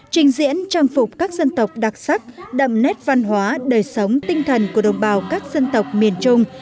trình diễn trang phục các dân tộc đặc sắc đậm nét văn hóa đời sống tinh thần của đồng bào các dân tộc miền trung